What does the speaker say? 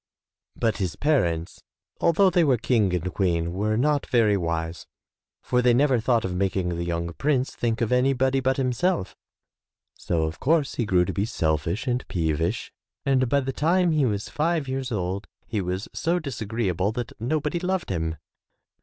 But his parents, although they were King and Queen, were not very wise, for they never thought of making the young prince think of anybody but himself, so, of course, he grew to be selfish and peevish, and by the time he was five years old he was so disagreeable that nobody loved him.